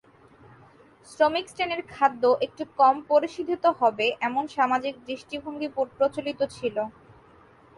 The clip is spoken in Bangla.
শ্রমিক শ্রেণির খাদ্য একটু কম পরিশোধিত হবে এমন সামাজিক দৃষ্টিভঙ্গি প্রচলিত ছিল।